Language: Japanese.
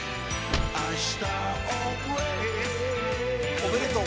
おめでとう。